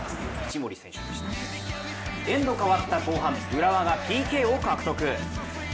エンド変わった後半浦和がＰＫを獲得。